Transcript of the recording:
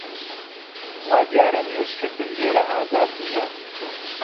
وا دیارە نوێژ کردن لێرە ئازاد نییە